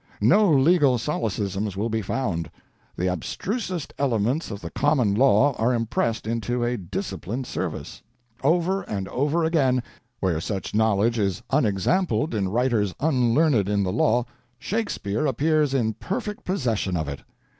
No legal solecisms will be found. The abstrusest elements of the common law are impressed into a disciplined service. Over and over again, where such knowledge is unexampled in writers unlearned in the law, Shakespeare appears in perfect possession of it.